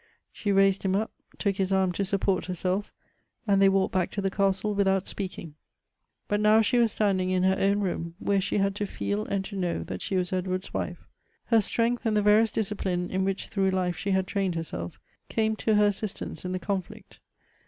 She raised him up, took his ami to support herself, "and they walked back to the castle without speaking. '' But_now_she wns stniujin or in her own room, 3c b«»w» jihfi had _to feel ivnJT tnjmv w that sha was Edwnrfl's wifp . Her strength and the various discipline in which through life she had trained herself, came to her assistance in the con flict.